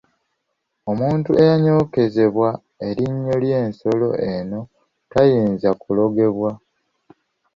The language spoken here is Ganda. Omuntu eyanyookezebwa erinnyo ly’ensolo eno tayinza kulogebwa.